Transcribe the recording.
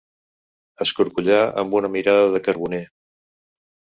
Escorcollar amb una mirada de carboner.